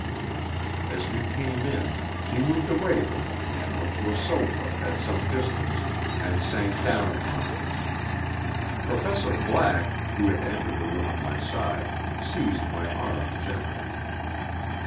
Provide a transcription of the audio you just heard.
As we came in, she moved away from the piano to a sofa at some distance, and sank down upon it. Professor Black, who had entered the room at my side, seized my arm gently.